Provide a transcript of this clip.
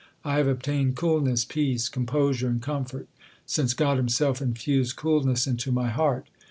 I have obtained coolness, peace, composure, and comfort, since God Himself infused coolness into my heart.